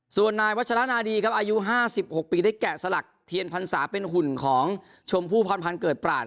ส่วนนายวัชรนาดีครับอายุ๕๖ปีได้แกะสลักเทียนพรรษาเป็นหุ่นของชมพู่พรพันธ์เกิดปราศ